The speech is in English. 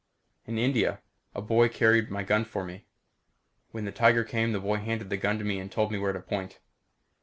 "In India. A boy carried my gun for me. When the tiger came the boy handed me the gun and told me where to point.